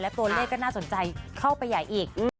ตัวเลขก็น่าสนใจเข้าไปใหญ่อีก